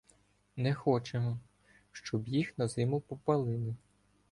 Не хочемо, щоб їх на зиму попалили.